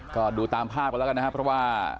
ก็ดูตามภาพกันแล้วกันนะครับเพราะว่า